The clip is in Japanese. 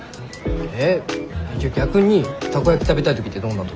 えじゃあ逆にタコ焼き食べたい時ってどんな時？